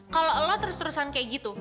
kalau lo terus terusan kayak gitu